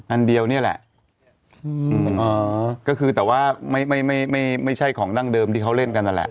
อันเดียวนี่แหละก็คือแต่ว่าไม่ไม่ไม่ใช่ของดั้งเดิมที่เขาเล่นกันนั่นแหละ